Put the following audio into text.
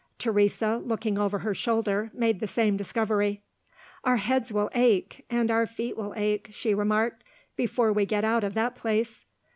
Teresa, looking over her shoulder, made the same discovery. "Our heads will ache, and our feet will ache," she remarked, "before we get out of that place."